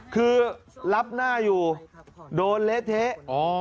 คือรับหน้าอยู่โดนเละเทะ